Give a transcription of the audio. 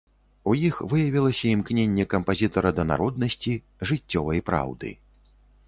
У іх выявілася імкненне кампазітара да народнасці, жыццёвай праўды.